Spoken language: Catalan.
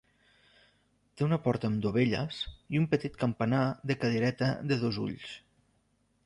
Té una porta amb dovelles i un petit campanar de cadireta de dos ulls.